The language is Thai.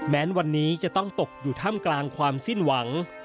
วันนี้จะต้องตกอยู่ถ้ำกลางความสิ้นหวัง